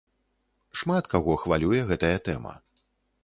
Шмат каго хвалюе гэтая тэма.